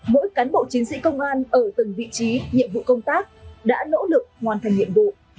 mỗi cán bộ chiến sĩ công an ở từng vị trí nhiệm vụ công tác đã nỗ lực hoàn thành nhiệm vụ